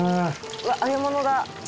「うわっ揚げ物だ」